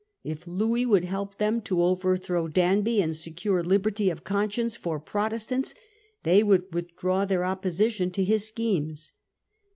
If Louis would help them to overthrow Danby and secure liberty of conscience for Protestants, they would withdraw their oppositioncto his schemes.